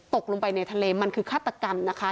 ตกลงไปในทะเลมันคือฆาตกรรมนะคะ